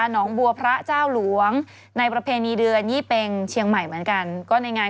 หนองบัวพระเจ้าหลวง